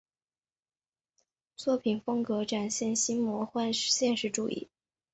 作品风格展现新魔幻现实主义。